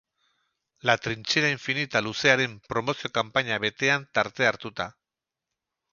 La trinchera infinita luzearen promozio kanpaina betean tartea hartuta.